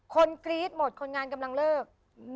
กรี๊ดหมดคนงานกำลังเลิก